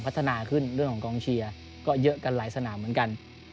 พัฒนาขึ้นเรื่องของกองเชียร์ก็เยอะกันหลายสนามเหมือนกัน